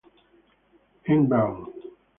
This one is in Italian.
N. Brown.